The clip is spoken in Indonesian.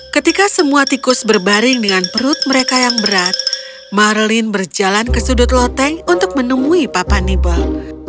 ketika semua tikus berbaring dengan perut mereka yang berat marlin berjalan ke sudut loteng untuk menemui papan nibel